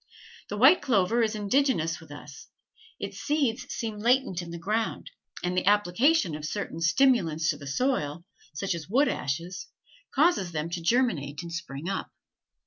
The white clover is indigenous with us; its seeds seem latent in the ground, and the application of certain stimulants to the soil, such as wood ashes, causes them to germinate and spring up.